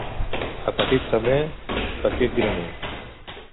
A petit femer, petit graner.